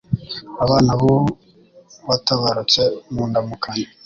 abana b'uwatabarutse Mu ndamukanyo